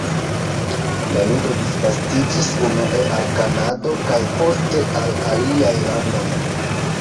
La ludo disvastiĝis unue al Kanado kaj poste al aliaj landoj.